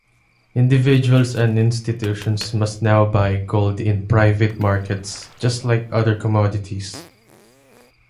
Individuals and institutions must now buy gold in private markets, just like other commodities.